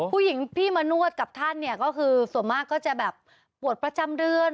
ผู้หญิงที่มานวดกับท่านเนี่ยก็คือส่วนมากก็จะแบบปวดประจำเดือน